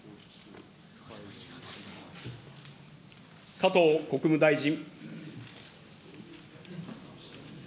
加藤国務大臣。